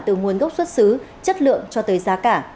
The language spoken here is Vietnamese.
từ nguồn gốc xuất xứ chất lượng cho tới giá cả